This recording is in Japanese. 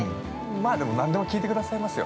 ◆まあ何でも聞いてくださいますよ。